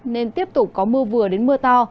nên tiếp tục có mưa vừa đến mưa to